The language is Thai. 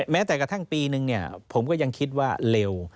แม้แต่กระทั่งปีนึงผมก็ยังคิดว่าเร็ว